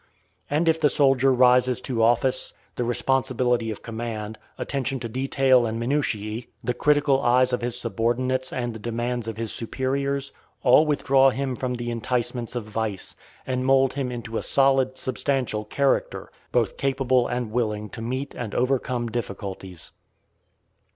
And if the soldier rises to office, the responsibility of command, attention to detail and minutiæ, the critical eyes of his subordinates and the demands of his superiors, all withdraw him from the enticements of vice, and mould him into a solid, substantial character, both capable and willing to meet and overcome difficulties.